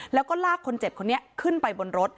แล้วก็ลากคนเจ็บคนนี้ขึ้นไปบนรถ